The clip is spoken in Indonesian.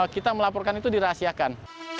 kita melaporkan itu dirahasiakan